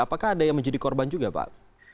apakah ada yang menjadi korban juga pak